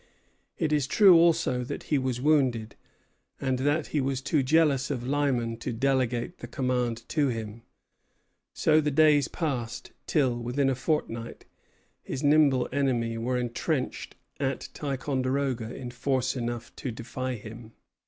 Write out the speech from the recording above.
It is true, also, that he was wounded, and that he was too jealous of Lyman to delegate the command to him; and so the days passed till, within a fortnight, his nimble enemy were entrenched at Ticonderoga in force enough to defy him.